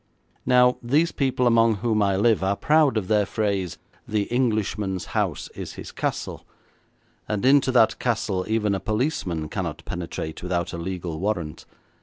Now, these people among whom I live are proud of their phrase, 'The Englishman's house is his castle,' and into that castle even a policeman cannot penetrate without a legal warrant.